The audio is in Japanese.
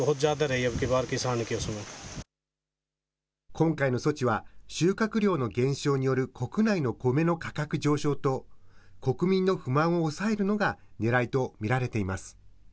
今回の措置は、収穫量の減少による国内のコメの価格上昇と、国民の不満を抑えるのがねらいと見られています。